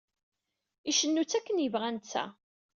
Icennu-tt akken yebɣa netta.